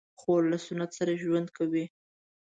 خور له سنت سره ژوند کوي.